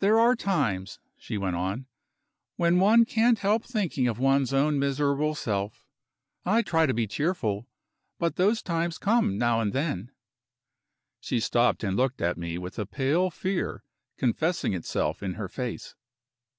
"There are times," she went on, "when one can't help thinking of one's own miserable self. I try to be cheerful, but those times come now and then." She stopped, and looked at me with a pale fear confessing itself in her face.